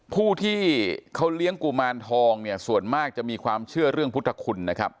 ผู้ที่เขาเลี้ยงกุมารทองเนี่ยส่วนมากจะมีความเชื่อเรื่องพุทธคุณนะครับ